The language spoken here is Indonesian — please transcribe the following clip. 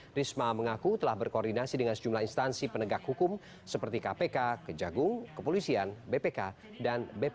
risma mengaku telah berkoordinasi dengan sejumlah instansi penegak hukum seperti kpk kejagung kepolisian bpk dan bpk